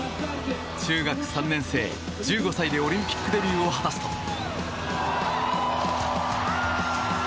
中学３年生、１５歳でオリンピックデビューを果たすと。